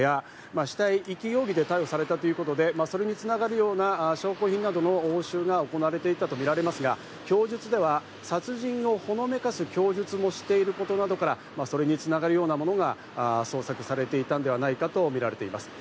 このガレージ、そして部屋、死体遺棄容疑で逮捕されたということで、それに繋がるような証拠品などの押収が行われていたとみられますが、供述では殺人をほのめかす供述もしていることなどからそれに繋がるようなものが捜索されていたのではないかとみられています。